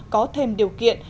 có thêm điều kiện